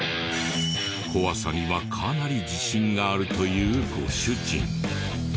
怖さにはかなり自信があるというご主人。